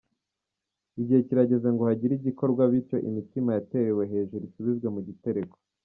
Igihe kirageze ngo hagire igikorwa, bityo imitima yaterewe hejuru isubizwe mu gitereko.